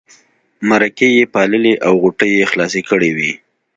مرکې یې پاللې او غوټې یې خلاصې کړې وې.